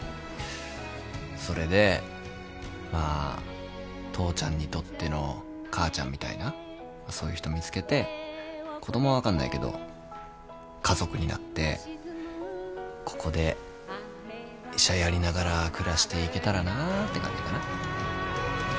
それでまあ父ちゃんにとっての母ちゃんみたいなそういう人見つけて子供は分かんないけど家族になってここで医者やりながら暮らしていけたらなって感じかな。